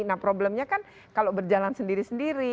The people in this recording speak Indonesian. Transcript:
nah problemnya kan kalau berjalan sendiri sendiri